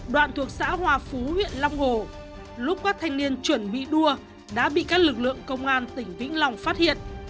đoạn thuộc xã hòa phú huyện long hồ lúc các thanh niên chuẩn bị đua đã bị các lực lượng công an tỉnh vĩnh long phát hiện